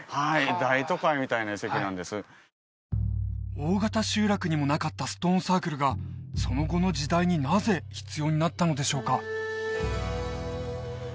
大型集落にもなかったストーンサークルがその後の時代になぜ必要になったのでしょうか？